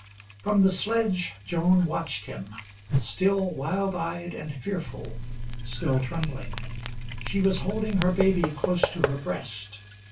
From the sledge Joan watched him, still wild eyed and fearful, still trembling. She was holding her baby close to her breast.